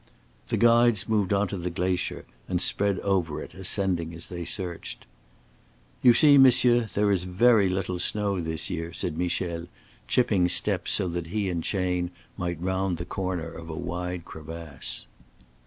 The guides moved on to the glacier and spread over it, ascending as they searched. "You see, monsieur, there is very little snow this year," said Michel, chipping steps so that he and Chayne might round the corner of a wide crevasse.